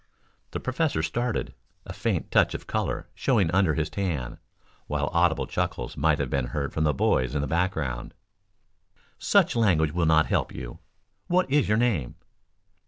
The professor started, a faint touch of color showing under his tan, while audible chuckles might have been heard from the boys in the background. "Such language will not help you. What is your name?"